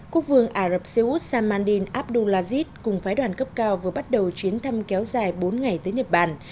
quốc vương ả rập xê út saman din abdulaziz cùng phái đoàn cấp cao vừa bắt đầu chuyến thăm kéo dài bốn ngày tới nhật bản